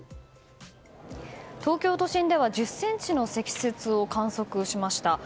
東京都心では１０ｃｍの積雪を観測しました。